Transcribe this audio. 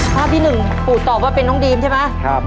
ภาพที่๑ปู่ตอบว่าเป็นน้องดีมใช่ไหม